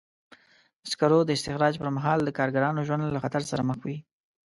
د سکرو د استخراج پر مهال د کارګرانو ژوند له خطر سره مخ وي.